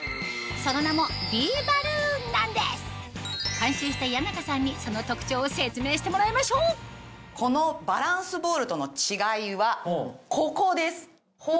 その名も監修した谷中さんにその特徴を説明してもらいましょうこのバランスボールとの違いはここです。